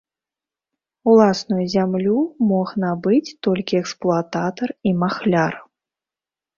Уласную зямлю мог набыць толькі эксплуататар і махляр.